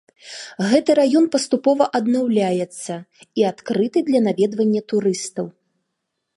Гэты раён паступова аднаўляецца і адкрыты для наведвання турыстаў.